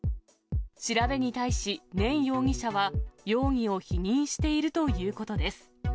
調べに対し、念容疑者は容疑を否認しているということです。